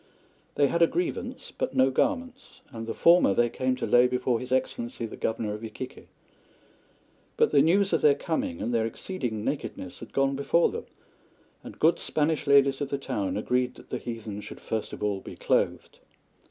They had a grievance, but no garments, and the former they came to lay before His Excellency, the Governor of Iquique. But the news of their coming and their exceeding nakedness had gone before them, and good Spanish ladies of the town agreed that the heathen should first of all be clothed.